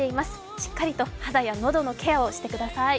しっかりと肌や喉のケアをしてください。